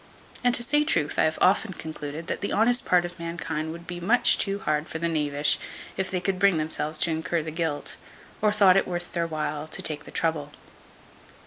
And, to say the truth, I have often concluded, that the honest part of mankind would be much too hard for the knavish, if they could bring themselves to incur the guilt, or thought it worth their while to take the trouble.